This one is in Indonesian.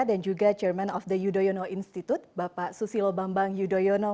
dan juga chairman of the yudhoyono institute bapak susilo bambang yudhoyono